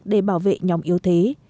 để bảo vệ nhóm yếu thế